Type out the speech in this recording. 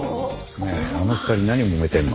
ねえあの２人何をもめてるの？